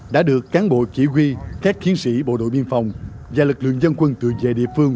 đã được cán bộ chỉ huy các chiến sĩ bộ đội biên phòng và lực lượng dân quân tự vệ địa phương